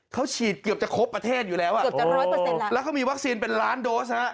เขาฉีดเกือบจะครบประเทศอยู่แล้วแล้วเขามีวัคซีนเป็นล้านโดส